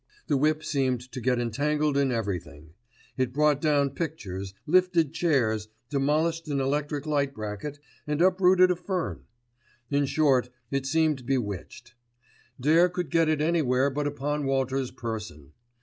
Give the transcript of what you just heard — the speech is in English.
The whip seemed to get entangled in everything. It brought down pictures, lifted chairs, demolished an electric light bracket, and uprooted a fern. In short it seemed bewitched. Dare could get it anywhere but upon Walters' person.